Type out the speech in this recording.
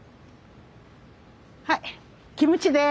はいキムチです。